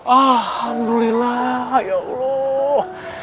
alhamdulillah ya allah